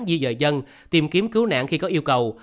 di dời dân tìm kiếm cứu nạn khi có yêu cầu